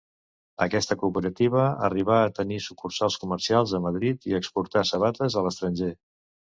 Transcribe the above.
Aquesta cooperativa arribà a tenir sucursals comercials a Madrid i exportar sabates a l'estranger.